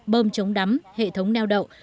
bôm chống đắm hệ thống neo đậu